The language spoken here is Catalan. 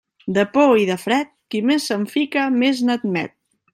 De por i de fred, qui més se'n fica, més n'admet.